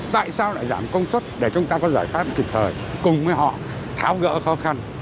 tại sao lại giảm công suất để chúng ta có giải pháp kịp thời cùng với họ tháo gỡ khó khăn